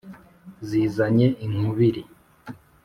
Zizanye inkubiri